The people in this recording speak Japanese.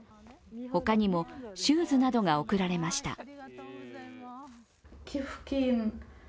他にもシューズなどが贈られました。